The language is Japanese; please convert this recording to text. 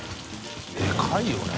でかいよね